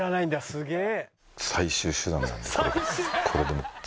すげえ。